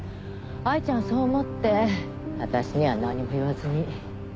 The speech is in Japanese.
藍ちゃんそう思って私には何も言わずに。